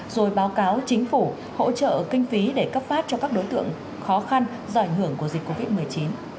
rồi báo cáo chính phủ hỗ trợ kinh phí để cấp phát cho các đối tượng khó khăn do ảnh hưởng của dịch covid một mươi chín